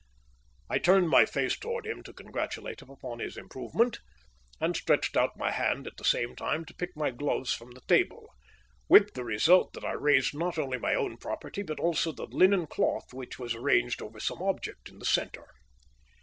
I turned my face towards him to congratulate him upon his improvement, and stretched out my hand at the same time to pick my gloves from the table, with the result that I raised not only my own property, but also the linen cloth which was arranged over some object in the centre.